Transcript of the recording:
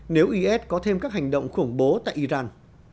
nếu is có thêm các hành động khủng bố tại iran